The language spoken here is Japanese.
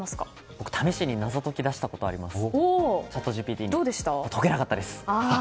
僕、試しに謎解きを出したことがあります。